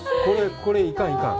これ、いかんいかん。